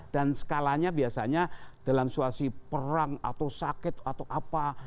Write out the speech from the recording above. dan skalanya biasanya dalam situasi perang atau sakit atau apa